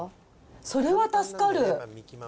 それは助かる。